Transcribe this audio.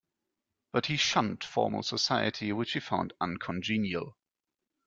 But he shunned formal society, which he found uncongenial.